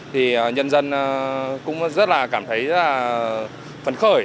thì nhân dân cũng rất là cảm thấy phấn khởi